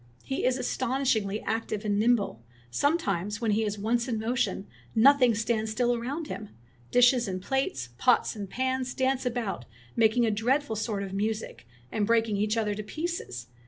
"He is astonishingly active and nimble. Sometimes, when he is once in motion, no thing stands still around him. Dishes and plates, pots and pans, dance about, making a dreadful sort of music, and breaking each other to pieces.